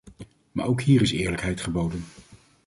Maar ook hier is eerlijkheid geboden.